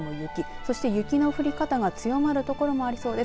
そして雪の降り方が強まる所もありそうです。